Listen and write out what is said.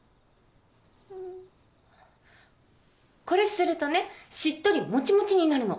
うん。これするとねしっとりモチモチになるの。